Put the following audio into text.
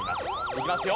いきますよ。